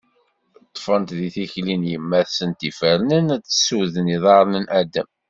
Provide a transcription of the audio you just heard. Ṭfent deg tikli n yemma-tsent ifernen ad tessuden iḍarren n Adem.